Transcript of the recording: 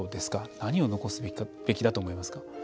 何を残すべきだと思いますか。